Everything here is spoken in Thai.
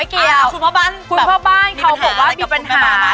คุณพ่อบ้านแบบมีปัญหาอะไรกับคุณแม่บ้าน